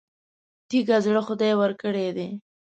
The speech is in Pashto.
تېږه زړه خدای ورکړی دی.